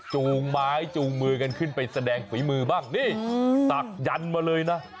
จูงไม้จูงมือกันขึ้นไปแสดงฝีมือบ้างนี่ศักดันมาเลยนะ